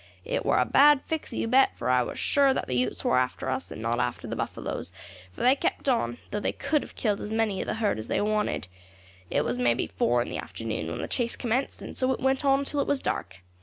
It war a bad fix, you bet, for I war sure that the Utes war after us, and not after the buffaloes, for they kept on, though they could soon have killed as many of the herd as they wanted. It was may be four in the afternoon when the chase commenced, and so it went on till it was dark.